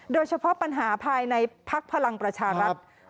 โดยเฉพาะปัญหาภายในภักดิ์พลังประชารัฐ